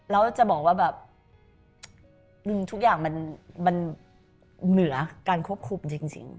แล้วจะบอกว่ามันเหนือการควบคุมจริง